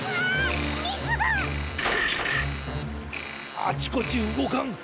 あちこちうごかん！